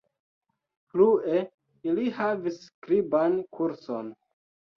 Plue, ili havis skriban kurson.